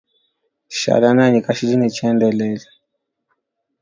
Shala nʼanyi kashid ne tshiendelele.